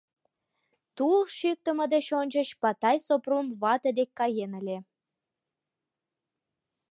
— Тул чӱктымӧ деч ончыч Патай Сопром вате дек каен ыле.